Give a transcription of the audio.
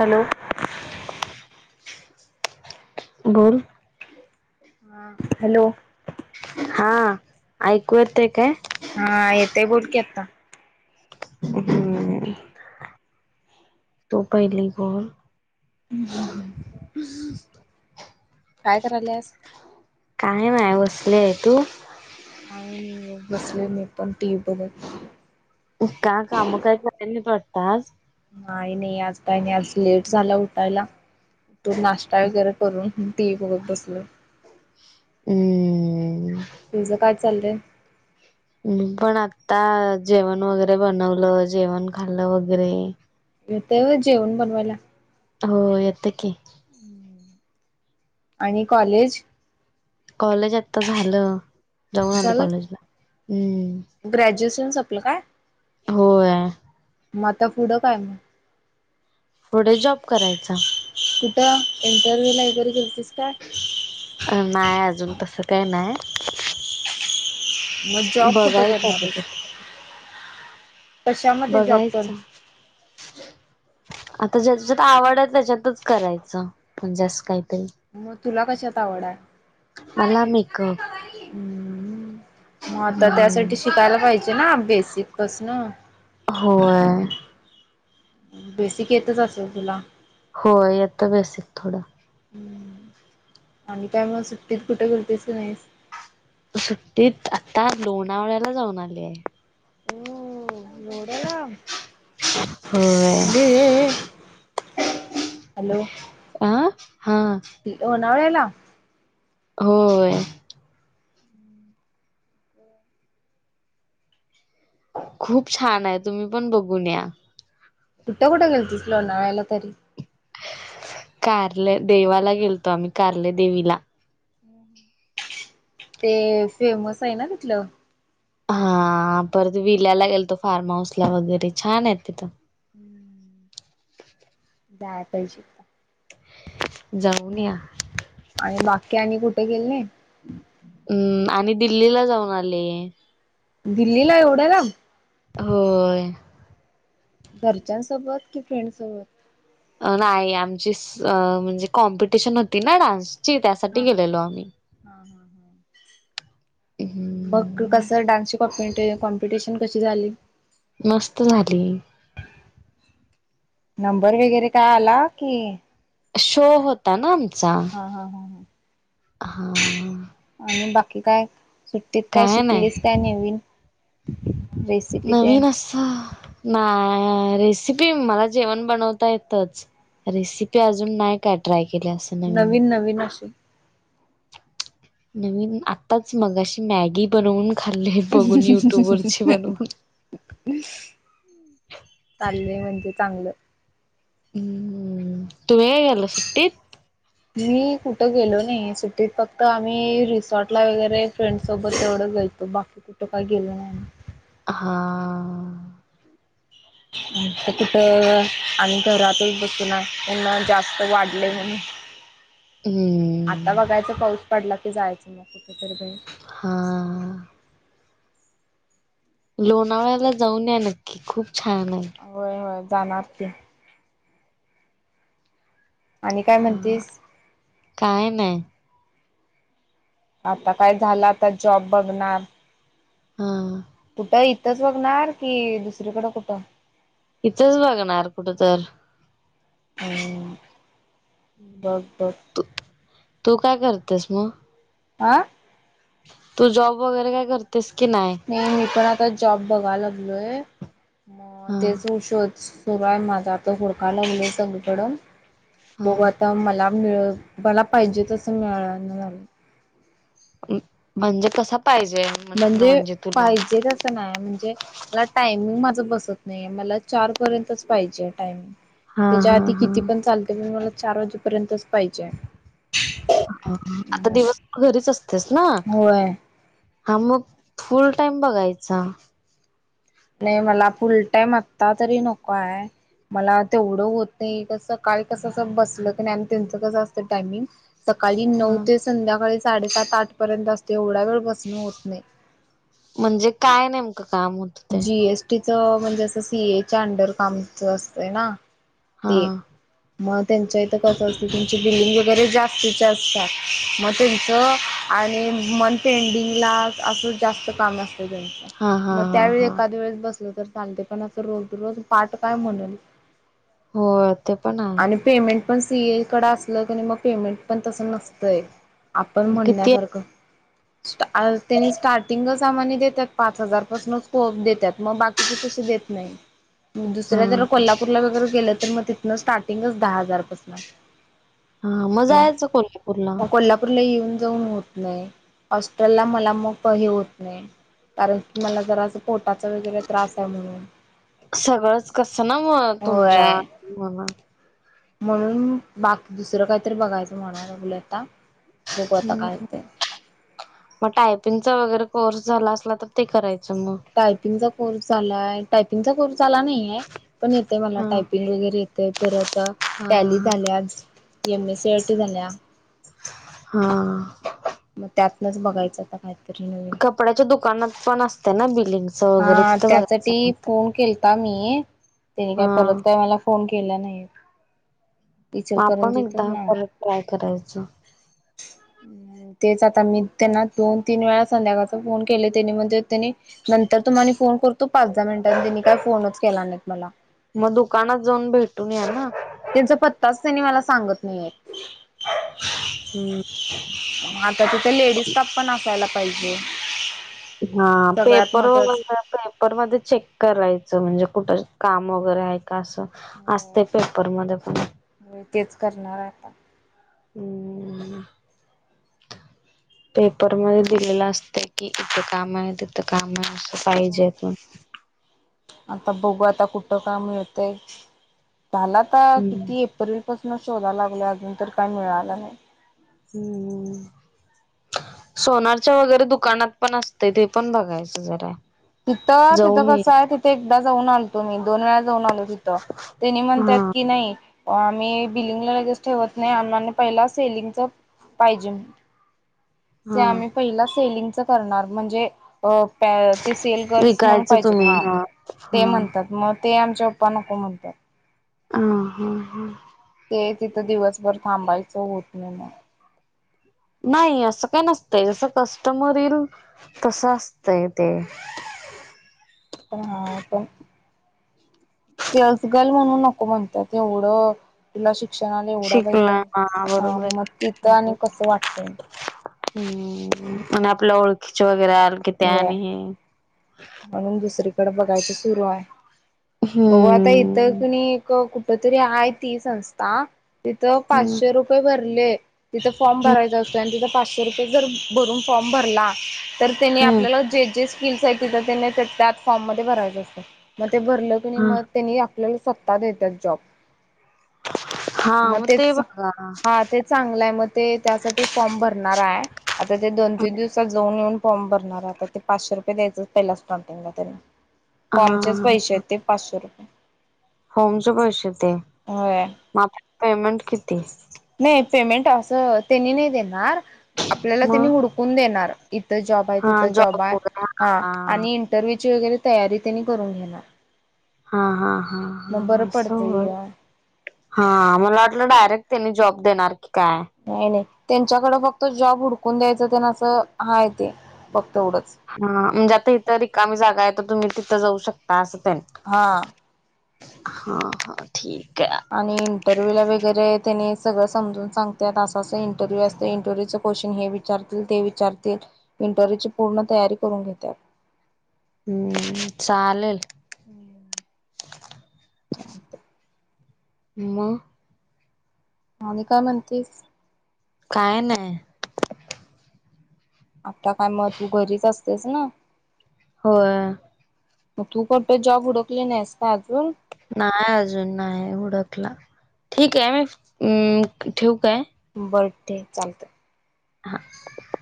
Hello. बोल. हा hello. हा ऐकू येतय काय? हा येतय बोल की आता. हम्म. तू पहिली कोण? काय करायल्यास? आहे माय वसलेय तू? काय नाई बग बसले मी पण टी व्ही बघत. का काम काही कराय नाईस वाटत आज. नाही नई आज काही नाई आज लेट झाला उठायला तो नाश्ता वगैरे करून टी व्ही बगत बसलोय. हम्म्म. तुझं काय चाललंय? मी पण आता जेवण वगैरे बनवलं जेवण खाल्लं वगैरे. येतंय वय जेवण बनवायला? हो येतं की. आणि कॉलेज? कॉलेज आता झालं जाऊन आली झालं कॉलेजला अं. तीन सपलं काय? होय. म आता पुढं काय म. पुढे जॉब करायचा. कुठं इंटरव्हिव्ह ला वगैरे गेलतीस. काय अ नाही अजून तसं काय नाय. मं जॉब कुठं करणार आता हाईस? बघायच. आता ज्याच्यात आवड हाय त्याच्यातच करायचं म्हणजे असं काही म तुला कशत आवड मला हाय? मेकअप हम्म म आता हम्म त्यासाठी शिकायला पाहिजे ना. बेसिक पसण होय बेसिक येतच असेल तुला हो येत बेसिक थोड आणि काय मग सुट्टीत कुठ गेल्तीस नाहीस सुट्टीत आता लोणावळ्याला जाऊन आली आहे ओ येवढ्या लांब होय [inaudible] यालो [unintelligible] हां वळेला [unintelligible] होय खूप छान आहे तुम्ही पण बघून या कुठे कुठे गेलतीस लोणावळ्याला तरी कार्ले देवाला गेलतो आम्ही कार्ले देवीला ते फेमस आहे ना तिथलं हा परत विल्याला गेल तो फार्म हाऊस ला वगैरे छान आहे तिथं जाआय पायजे ऐकदा जाऊन या की आणि कुठे गेलं नाही हम्म आणि दिल्लीला जाऊन आले दिल्लीला येवढ्या लांब [unintelligible] होय घरच्यांनसोबत कि फ्रेंड सोबत नाही आमची म्हणजे कॉम्पिटिशन होती ना डान्स त्यासाठी हा गेलेलो आम्ही हा मग हम्म कस डान्सची कॉ कॉम्पिटिशन कशी झाली मस्त झाली नंबर वगैरे काय आला की शो होता ना आमचा हा हा हा हा हा कि काय सुट्टीत काय शिकलीस काय नवीन रेसिपी तेन? नवीन अस नाय अ रेसिपी मला जेवण बनवता येतच रेसिपी अजून नाही काय ट्राय केले [unintelligible] असं नवीन नवीन आताच मग अशी मॅगी बनवून खाल्ली बघून युट्यूब वरची बनवून. म्हणजे चांगलं हम्म तू हगला [unintelligible] सुट्टीत मी कुठं गेलो नाही सुट्टीत फक्त आम्ही रिसॉटला वगैरे फ्रेंडसोबत तेवढं गेलतो बाकी कुठं काही गेलो नाही आम्ही हा तर [unintelligible] कुठं आणि घरातच बसून असतो ना त्यांना जास्त वाढलंय म्हणून आता हम्म. बघायचं पाऊस पडला की जायचं न [unintelligible] हा लोणावळ्याला जाऊन या नक्की खूप छान नाय होय होय जाणार की आणि काय हा म्हणतीस काय नाय आता काय झालं आता जॉब बघणार हा कुठं इथंच बघणार कि दुसरीकड कुठं इथंच बघणार कुठ तर [unintelligible] बघ बघ तू तू काय करतेस मग? आं तू जॉब वगैरे काय करतेस? नाही मी पण आता जॉब बघाय लागलोय म हा तेच उशोच सुरुय माझा आता हुडकाय लागलोय सगळीकड हा बघू आता मला मिळ मला पाहिजे तसं मिळना मिळालं. म्हणजे कस म्हणजे पाहिजे तसं नाही म्हणजे मला टायमिंग माझं बसत नाहीये मला चार पर्यंतच पाहिजेय टायमिंग. हा त्याच्या हा आधी हा किती पण चालते पण मला चार वाजेपर्यंतच पाहिजेय. आता दिवस तू घरीच असतेस ना. होय हा मग फुल टाइम बघायचा. नाही मला फुलटाईम आत्ता तरी नकोय. मला तेवढं होत नाही कसं सकाळी कसं बसलं क नाही त्यांचं कसं असतं टायमिंग सकाळी नऊ हा ते संध्याकाळी साडेसात आठ पर्यंत असते एवढा वेळ बसणं होत नाही म्हणजे काय नेमकं काम होत ते? जीएसटीच म्हणजे असं सीएच्या अंडर कामच असतय ना. हा ते मग त्यांच्या इथं कसं असतंय त्यांची बिल्डिंग वगैरे जास्तीचे असतात मग त्यांच आणि मन पेंडिंगला असं जास्त काम असतं हा हा मग हा त्यावेळी हा एखाद वेळेस बसलं तर चालतय पण असं रोज, रोज पाठ काय म्हणल. हो ते पण आणि आहे पेमेंट पण सीए कड असलं कनई मग पेमेंट पण तस नसतंय आपण किती म्हणण्यासारखं. आ त्यांनी स्टार्टिंगच आम्हानी देत्यात पाच हजार पाासनच. हो देत्यात मग बाकीचे तसे देत नाही हा दुसऱ्या जरा कोल्हापूरला वगैरे गेलं तर मग ति न स्टार्टिंगच दहा हजारपासन हा मग जायचं कोल्हापूरला आहे. कोल्हापूरला येऊन जाऊन होत नाही हॉस्टेलला मला मग हे होत नाही कारण की मला जरा पोटाचा वगैरे त्रास आहे म्हणून. सगळंच कस ना म तुमच्या होय मना म्हणून बाकी दुसरं काही तर बघायचं म्हणा लागल्यात ना आता बघु आता काय हुतंय. मग टायपिंगचा वगैरे कोर्स झाला असला तर ते कराय टायपिंगचा कोर्स झालाय टायपिंगचा कोर्स झाला नाहीेय पण येतय मला हा टायपिंग वगैरे येतय परत हा टॅली हा झाल्या M S C I T झाल्या. हा त्यातनच बघायचं आता काय कपड्याच्या दुकानात पण असते ना बिल्डिंगच वगैरे हा तिथं त्यासाठी बघायचं. त्यांनी काय हा परत काय मला फोन केला नाहीय. मग आपण इचलकरंजीत एकदा ना परत ट्राय करायचं तेच आता मी त्यांना दोन, तीन वेळा संध्याकाळचा फोन केले त्यानी म्हणजे त्यांनी नंतर तुम्हानी फोन करतो पाच, दहा मिनिटांनी त्यांनी काय फोनच केला नाहीत मला. मग दुकानात जाऊन भेटून या ना. त्यांचा पत्ताच त्यांनी मला सांगत नाहीये. हम्म आता तिथे लेडीज स्टाफ पण असायला पाहिजे. हा सगळ्यात पेपर महत्वाच [unintelligible] पेपरमधे चेक करायचं म्हणजे कुठ जॉ काम वगैरे आहे का असं असतय पेपरमध्ये पण होय तेच करणार हाय आता हम्म पेपरमध्ये दिलेलं असतय कि इथ काम हाय तिथं काम हाय. [unintelligible] आता बघू आता कुठं काय मिळतय झाल आता हम्म किती एप्रिल पासू न शोधा लागलोय अजून तर काय मिळालं नाही. हम्म सोनारच्या वगैरे दुकानात पण असतय ते पण बघायचं जरा तिथं तिथं जाऊन ये कसं आहे तिथे एकदा जाऊन आलतो मी दोन वेळा जाऊन आलो तिथं त्यांनी हा म्हणत्यात की नाही. आम्ही बिलिंगला लगेच ठेवत नाही आम्हानी पहिला सेलिंगच पाहिजे. ते हा आम्ही पहिला सेलिंगच करणार म्हणजे अं पॅ ते सेल गर्ल्स म्हणून विकायचं पाहिजेत तुम्ही हा ते हा म्हणतात मग ते आमच्या पप्पा नको म्हणत्यात. अ हा हा ते तिथं दिवसभर थांबायचं होत नाही म नाही असं काय नसतंय जसं कस्टमर येईल तस असतय ते, [unintelligible] सेल्सगर्ल म्हणून नको म्हणत्यात एवढं तुला शिक शिक्षणाला एवढा शिकला पैसा हा आ बरोबर म तिथं आहे आणि कसं वाटतंय. हम्म म्ह आपल्या ओळखीचे वगैरे आलं कि ते व्हय आणि हे कड बघायचं सुरू हाय हे बघू आता इथं हम्म किणी क कु कुठ तरी हाय ती संस्था तिथं हम्म पाचशे रुपये भरले. तिथं फॉर्म हम्म भरायचा असतोय आणि तिथं पाचशे रुपये जर भरून फॉर्म भरला, तर त्येणी हम्म आपल्याला जे जे स्किल्स आहेत तिथं त्यांनी त्या फॉर्म मध्ये भरायचं असतंय. म ते भरलं कनी म हा तेनी आपल्याला स्वत्ता देत्यात जॉब हा मग म ते तेच बघा हा ते चांगलं हाय म ते त्यासाठी फॉर्म भरणार हाय आता ते दोन तीन दिवसात जाऊन युन फॉर्म भरणार हाय आता ते पाचशे रुपये द्यायंच पहिला स्टारटींगलां तेला हा फॉर्मचेच पैसे आहेत ते पाचशे रुपये फॉर्म चे पैसे ते होय म आता पेमेंट किती? नाही पेमेंट असं तेणी नाही देणार. आपल्याला तेनि मग हुडकून देणार इथं जॉब हाय तिथं जॉब हाय. हा आणि इंटरव्ह्यूची वगैर तयारी तेनी करून घेणार. हा हा हा म बरं हा असं पडतय होय य. हा मला वाटलं डायरेक्ट तेनी जॉब देणार. की काय नाही नाही त्यांच्याकडें फक्त जॉब हुडकून द्यायचं तेन असं हाय ते फ हा म्हणजे आता इथ रिकामी जागा हाय तर तुम्ही तिथं जाऊ शकताय असं ते हा हा हा ठीक. आहे आणि इंटरव्ह्यू ला वगैरे तेनी सगळं समजून सांगत्यात असं असं इंटरव्ह्यू असतोय इंटरव्ह्यूचं क्वेशचन हे विचारतील ते विचारतील. इंटरव्हूची पूर्ण तयारी करून घेत्यात. हम्म चालेल. घेतात [unintelligible] म आणि काय म्हणतेस! काय नाय आता काय म तू घरीच असतेस ना, होय. मग तू कोट जॉब उडकली नाहीस, का अजून नाही अजून नाही हुडकला ठीक आहे मी ठेऊकाय बर ठेव चालतय, ह [unintelligible]